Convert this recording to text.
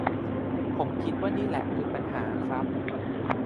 ผมคิดว่านี่แหละคือปัญหาครับ